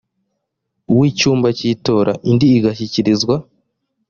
w icyumba cy itora indi igashyikirizwa